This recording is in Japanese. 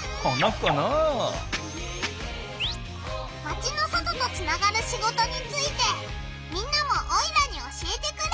マチの外とつながるシゴトについてみんなもオイラに教えてくれ！